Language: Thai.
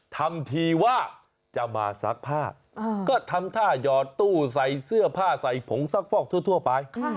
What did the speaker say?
ทำทีว่าจะมาซักผ้าก็ทำท่าหยอดตู้ใส่เสื้อผ้าใส่ผงซักฟอกทั่วไป